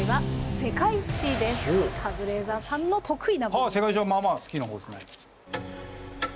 「世界史」はまあまあ好きな方ですね。